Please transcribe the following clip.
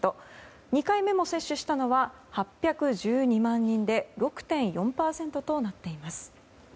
２回目も接種したのは８１２万人で６．４％となっています。